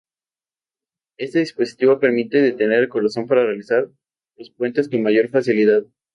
Este dispositivo permite detener el corazón para realizar los puentes con mayor facilidad.